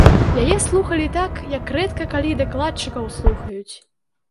Яе слухалі так, як рэдка калі дакладчыкаў слухаюць.